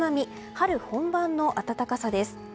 春本番の暖かさです。